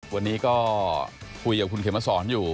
วันนี้ก็คุยกับคุณเขมสอนอยู่